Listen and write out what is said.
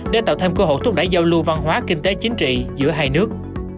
để tạo thêm cơ hội thúc đẩy giao lưu văn hóa kinh tế chính trị giữa hai nước